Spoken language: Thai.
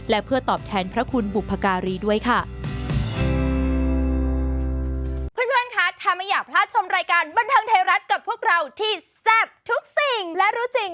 และเพื่อตอบแทนพระคุณบุพการีด้วยค่ะ